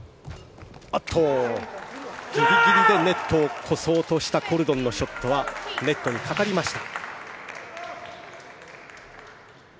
ギリギリでネットを越そうとしたコルドンのショットはネットにかかりました。